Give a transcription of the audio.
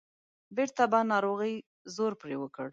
بیرته به ناروغۍ زور پرې وکړ.